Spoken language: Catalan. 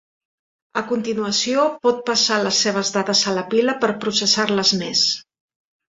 A continuació, pot passar les seves dades a la pila per processar-les més.